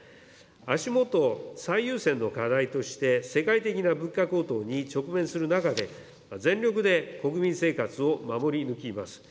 足元最優先の課題として、世界的な物価高騰に直面する中で、全力で国民生活を守り抜きます。